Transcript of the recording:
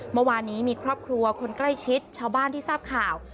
เมื่อวานนี้มีครอบครัวคนใกล้ชิดชาวบ้านที่ทราบข่าว